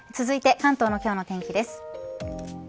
続いて関東の今日の天気です。